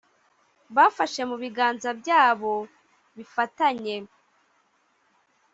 bafashe mu biganza byabo bifatanye;